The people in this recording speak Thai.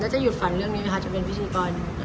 จะหยุดฝันเรื่องนี้ไหมคะจะเป็นพิธีกร